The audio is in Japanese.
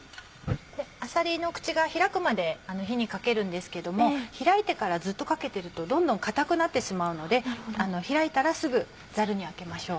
あさりの口が開くまで火にかけるんですけども開いてからずっとかけてるとどんどん硬くなってしまうので開いたらすぐザルにあけましょう。